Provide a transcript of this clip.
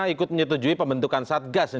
ikut menyetujui pembentukan satgas